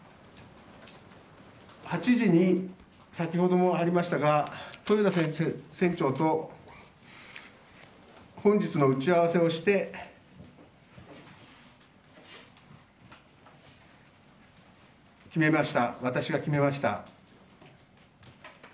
８時に、先ほどもありましたが豊田船長と本日の打ち合わせをして私が決めました。